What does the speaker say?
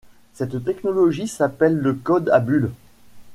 Cette technologie s'appelle le code à bulles.